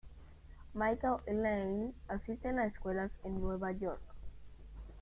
Michael y Lane asisten a escuelas en Nueva York.